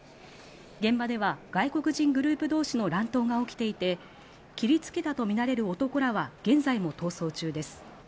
現場では外国人グループ同士の乱闘が起きていて、切りつけたとみられる男らは現在も逃走中です。